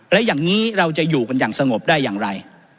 และอย่างนี้เราจะอยู่กันอย่างสงบได้อย่างไร